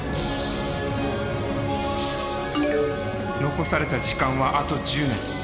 残された時間はあと１０年。